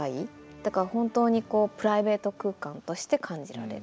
だから本当にプライベート空間として感じられる。